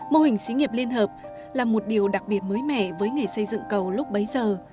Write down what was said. mô hình xí nghiệp liên hợp là một điều đặc biệt mới mẻ với nghề xây dựng cầu lúc bấy giờ